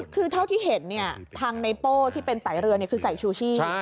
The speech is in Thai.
คือเท่าที่เห็นทางไนโป้ที่เป็นไตเรือคือใส่ชูชีพ